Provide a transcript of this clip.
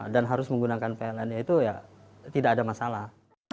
dan harus menggunakan pln itu ya tidak ada masalah